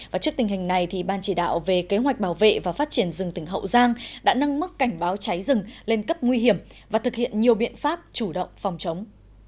và trước tình hình này ban chỉ đạo về kế hoạch bảo vệ và phát triển rừng tỉnh hậu giang đã nâng mức cảnh báo cháy rừng lên cấp nguy hiểm và thực hiện nhiều biện pháp chủ động phòng chống